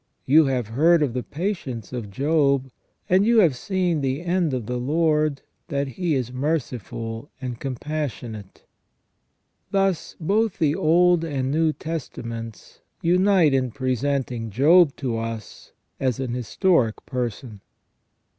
You have heard of the patience of Job, and you have seen the end of the Lord, that He is merciful and compassionate." Thus, both the Old and New Testaments unite in presenting Job to us as an historic person.